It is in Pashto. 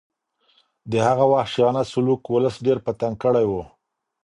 د هغه وحشیانه سلوک ولس ډېر په تنګ کړی و.